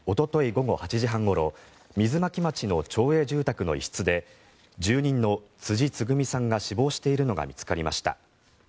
午後８時半ごろ水巻町の町営住宅の一室で住人の辻つぐみさんが死亡しているのが見つかりました。